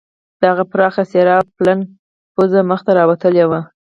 د هغه پراخه څیره او پلنه پوزه مخ ته راوتلې وه